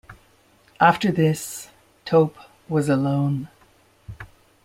After this Tope was alone.